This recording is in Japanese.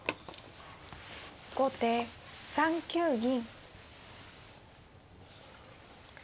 後手３九銀。